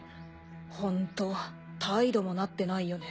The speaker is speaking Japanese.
ホント態度もなってないよね。